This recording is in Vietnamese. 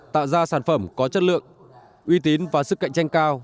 tạo ra sản phẩm có chất lượng uy tín và sức cạnh tranh cao